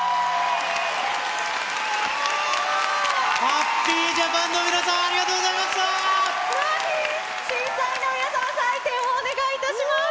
ハッピージャパンの皆さん、審査員の皆様、採点をお願いいたします。